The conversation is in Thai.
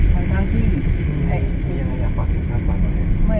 ถ้าเราลงภูมิมาแล้วอาทิตย์หลักเราคือขับรถเราจะแก้ปัญหาไหน